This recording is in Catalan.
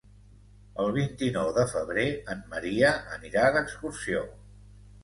El vint-i-nou de febrer en Maria anirà d'excursió.